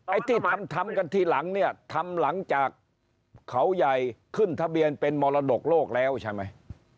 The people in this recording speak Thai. ไอ้ที่ทำทำกันทีหลังเนี่ยทำหลังจากเขาใหญ่ขึ้นทะเบียนเป็นมรดกโลกแล้วใช่ไหม